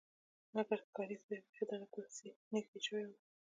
مګر ښکاري سپي بیخي د هغه په پسې نږدې شوي وو